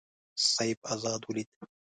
سیف آزاد ولید.